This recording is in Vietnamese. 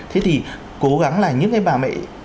thế thì cố gắng là những cái bà mẹ